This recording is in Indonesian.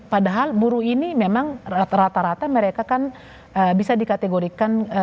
padahal buruh ini memang rata rata mereka kan bisa dikategorikan